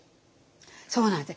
そうなんです。